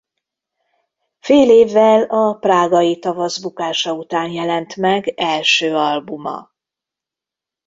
Fél évvel a prágai tavasz bukása után jelent meg első albuma.